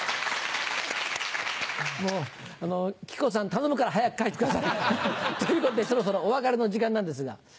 もうあの木久扇さん頼むから早く帰って来てください。ということでそろそろお別れの時間なんですが。